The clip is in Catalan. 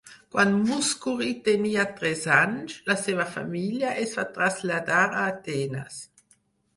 Quan Mouskouri tenia tres anys, la seva família es va traslladar a Atenes.